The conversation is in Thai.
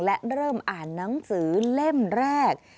และเริ่มอ่านหนังสือเล่มแรก